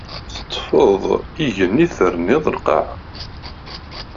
Teṭṭfeḍ igenni terniḍ lqaɛa!